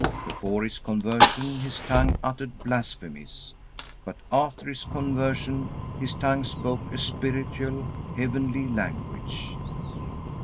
Before his conversion his tongue uttered blasphemies. But after his conversion his tongue spoke a spiritual, heavenly language.